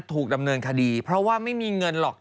ถูกดำเนินคดีเพราะว่าไม่มีเงินหรอก